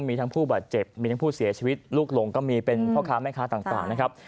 มีทั้งผู้บาดเจ็บมีทั้งผู้เสียชีวิตลูกหลงก็มีเป็นพ่อค้าแม่ค้าต่างนะครับ